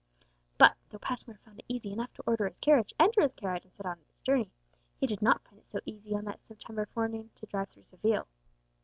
But though Passmore found it easy enough to order his carriage, enter his carriage, and set out on his journey, he did not find it so easy on that September forenoon to drive through Seville.